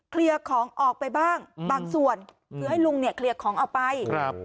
เคลียร์ของออกไปบ้างบางส่วนให้ลุงเนี่ยเคลียร์ของออกไป